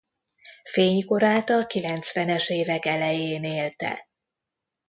Fénykorát a kilencvenes évek elején élte.